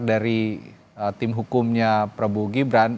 dari tim hukumnya prabowo gibran